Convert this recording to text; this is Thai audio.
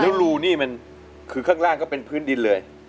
แล้วรูนี่มันคือข้างล่างก็เป็นพื้นดินเลย